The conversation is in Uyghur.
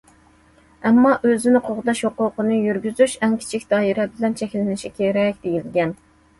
ئەمما ئۆزىنى قوغداش ھوقۇقىنى يۈرگۈزۈش ئەڭ كىچىك دائىرە بىلەن چەكلىنىشى كېرەك دېيىلگەن.